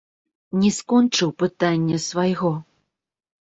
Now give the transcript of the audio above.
Не скончыў пытання свайго.